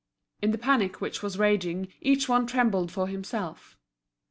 In the panic which was raging each one trembled for himself.